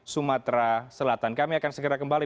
sumatera selatan kami akan segera kembali